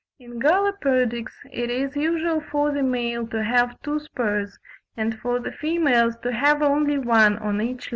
In Galloperdix it is usual for the males to have two spurs, and for the females to have only one on each leg.